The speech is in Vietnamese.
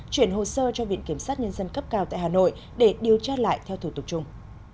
chuyển hồ sơ cho viện kiểm sát nhân dân cấp cao tại hà nội để điều tra lại theo thủ tục chung